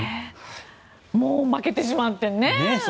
もう、負けてしまってね。